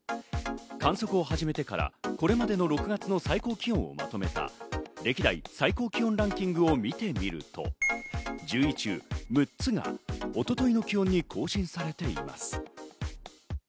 観測を始めてからこれまでの６月の最高気温をまとめた歴代最高気温ランキングを見てみると、１０位中６つが一昨日の気温に更新されています。